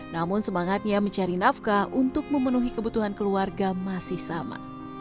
namun semangatnya mencari nafkah untuk memenuhi kebutuhan keluarga masih sama